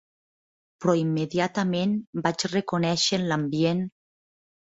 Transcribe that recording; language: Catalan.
Però immediatament vaig reconèixer en l'ambient...